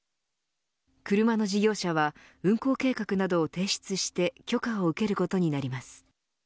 車の事業者は運行計画などを提出して許可を受けることになります。